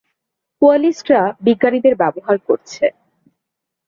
কোয়ালিস্টরা বিজ্ঞানীদের ব্যবহার করছে।